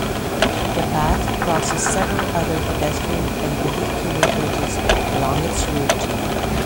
The path crosses several other pedestrian and vehicular bridges along its route.